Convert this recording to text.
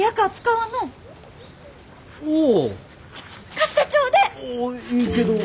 貸してちょうでえ！